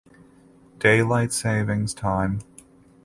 Daylight savings time.